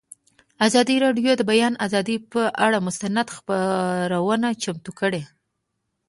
ازادي راډیو د د بیان آزادي پر اړه مستند خپرونه چمتو کړې.